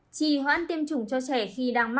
chỉ hoãn tiêm chủng cho trẻ khi đang mắc